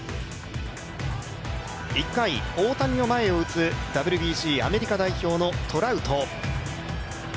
１回、大谷の前を打つＷＢＣアメリカ代表のトラウト。